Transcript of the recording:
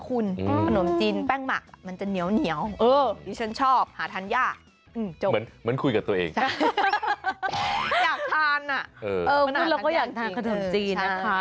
คุณแล้วก็อยากทานขนมจีนนะคะ